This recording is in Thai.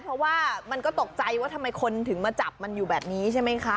เพราะว่ามันก็ตกใจว่าทำไมคนถึงมาจับมันอยู่แบบนี้ใช่ไหมคะ